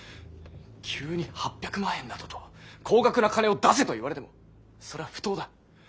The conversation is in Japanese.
急に８００万円などと高額な金を出せといわれてもそれは不当だ。